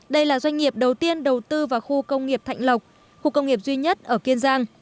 đây là doanh nghiệp đầu tiên đầu tư vào khu công nghiệp thạnh lộc khu công nghiệp duy nhất ở kiên giang